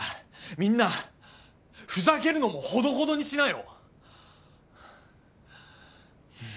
みんなふざけるのもほどほどにしなよ。